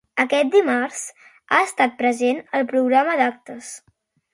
Aquest dimarts ha estat presentat el programa d'actes.